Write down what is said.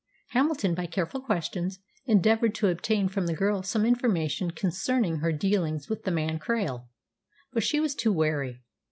Hamilton, by careful questions, endeavoured to obtain from the girl some information concerning her dealings with the man Krail. But she was too wary.